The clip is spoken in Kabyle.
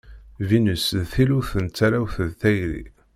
Vinus d tillut n tarrawt d tayri.